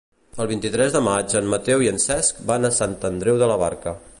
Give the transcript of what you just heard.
El vint-i-tres de maig en Mateu i en Cesc van a Sant Andreu de la Barca.